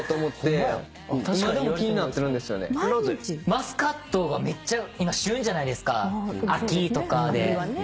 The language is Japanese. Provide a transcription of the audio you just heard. マスカットがめっちゃ今旬じゃないですか秋とかで。